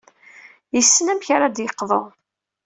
Yessen amek ara d-yeqḍu.